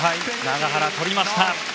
永原、取りました。